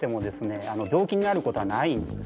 病気になることはないんですね。